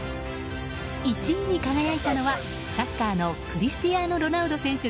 １位に輝いたのはサッカーのクリスティアーノ・ロナウド選手。